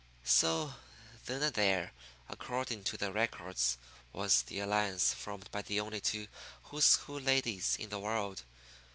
So, then and there according to the records was the alliance formed by the only two who's who ladies in the world.